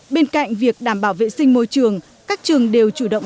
bên cạnh việc đảm bảo vệ sinh môi trường các trường đều chủ động